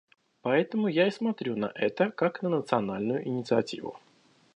Поэтому я и смотрю на это как на национальную инициативу.